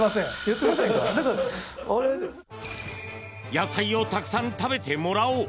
野菜をたくさん食べてもらおう。